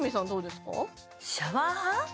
シャワー派？